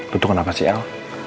lu tuh kenapa sih al